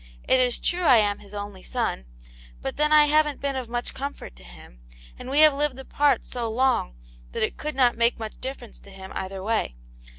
It is true I am his only son, but then I haven't been of much comfort to him, and we have lived apart so long that it could not make much difference to him either way.